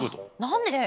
何で？